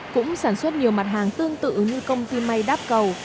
cũng sản xuất nhiều mặt hàng tương tự như công ty may đáp cầu